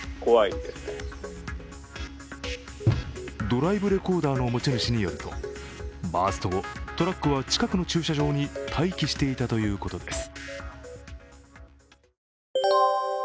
ドライブレコーダーの持ち主によると、バースト後、トラックは近くの駐車場に待機していたということです。